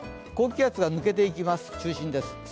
高気圧が抜けていきます、中心です